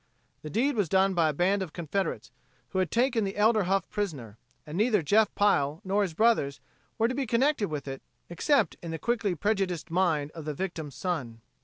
The deed was done by a band of Confederates who had taken the elder Huff prisoner, and neither Jeff Pile, nor his brothers, were to be connected with it, except in the quickly prejudiced mind of the victim's son.